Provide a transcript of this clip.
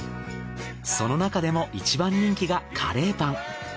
その中でも一番人気がカレーパン。